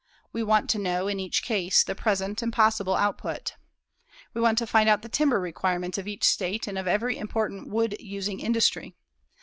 We want to know, in each case, the present and possible output. We want to find out the timber requirements of each state and of every important wood using industry.